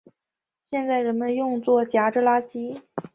现在人们用作夹着垃圾。